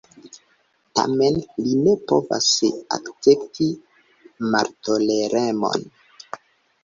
Tamen li ne povas akcepti maltoleremon.